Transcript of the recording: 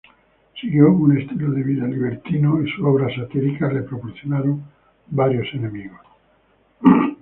Siguió un estilo de vida libertino y sus obras satíricas le proporcionaron varios enemigos.